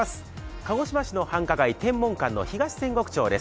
鹿児島市の繁華街、天文館の東千石町です。